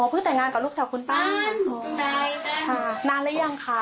อ๋อเพื่อแต่งงานกับลูกชาวคุณป้าป้านพุ่งดายป้านค่ะนานแล้วยังคะ